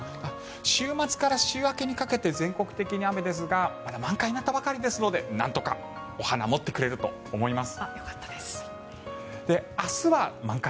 週末から週明けにかけて全国的に雨ですがまだ満開になったばかりですのでなんとかお花持ってくれると思います。